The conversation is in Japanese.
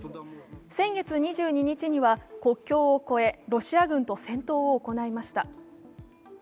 先月２２日には国境を越え、ロシア軍と戦闘を行いました。